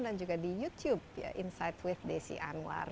dan juga di youtube insight with desi anwar